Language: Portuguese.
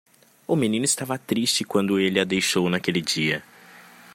O menino estava triste quando ele a deixou naquele dia.